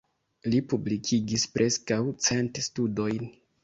Li publikigis preskaŭ cent studojn.